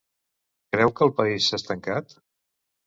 Creu que el país s'ha estancat?